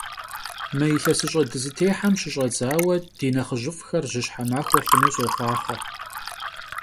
Mı yilhesış'e dızıxıhem şış'edzaue di nexhıjıf'xer jışhe maxue xhunu soxhuaxhue!